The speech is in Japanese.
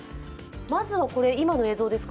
まずはこれ、今の映像ですか？